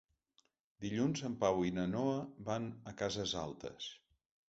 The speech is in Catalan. Dilluns en Pau i na Noa van a Cases Altes.